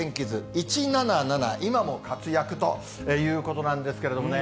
１７７今も活躍ということなんですけれどもね。